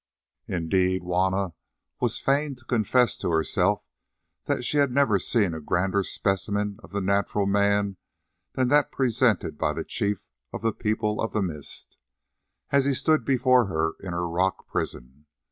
Indeed, Juanna was fain to confess to herself that she had never seen a grander specimen of the natural man than that presented by the chief of the People of the Mist, as he stood before her in her rock prison.